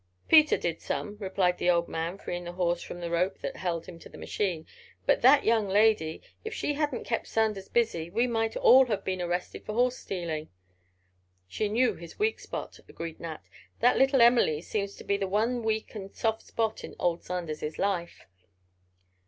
"Peter did some," replied the old man, freeing the horse from the rope that held him to the machine; "but that young lady—if she hadn't kept Sanders busy—we might all have been arrested for horse stealing." "She knew his weak spot," agreed Nat. "That little Emily seems to be the one weak and soft spot in old Sanders's life."